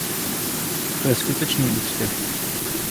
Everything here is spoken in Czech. To je skutečný úspěch.